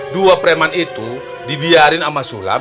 dua preman itu dibiarin sama sulam